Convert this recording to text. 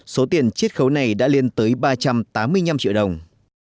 số tiền chết khấu này đã liên tới ba trăm tám mươi năm triệu đồng